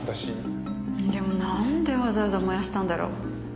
でもなんでわざわざ燃やしたんだろう。